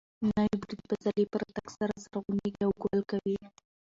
نوي بوټي د پسرلي په راتګ سره زرغونېږي او ګل کوي.